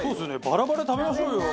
バラバラで食べましょうよ。